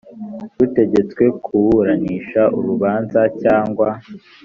rutegetswe kuburanisha urubanza cyangwa